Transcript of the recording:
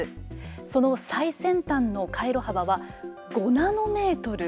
その最先端の回路幅は５ナノメートル。